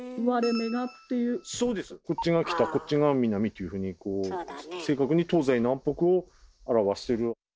こっちが北こっちが南っていうふうに正確に東西南北を表している。